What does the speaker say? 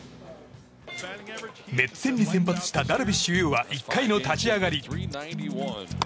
メッツ戦に先発したダルビッシュ有は１回の立ち上がり。